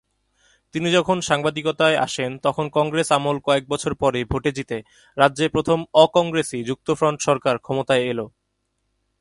তিনি যখন সাংবাদিকতায় আসেন তখন কংগ্রেস আমল কয়েক বছর পরেই ভোটে জিতে রাজ্যে প্রথম অ-কংগ্রেসি যুক্তফ্রন্ট সরকার ক্ষমতায় এল।